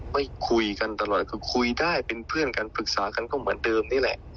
มันโอเคขึ้นไหมเนี่ยเพราะคุยได้อย่างเงี้ย